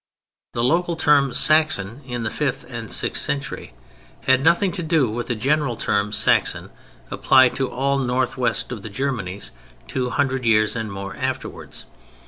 The local term, "Saxon," in the fifth and sixth century had nothing to do with the general term, "Saxon," applied to all northwest of the Germanies two hundred years and more afterwards.